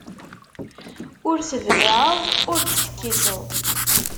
Ur tebliɛeḍ ur d-tekkiseḍ.